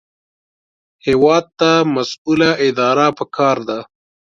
هېواد ته مسؤله اداره پکار ده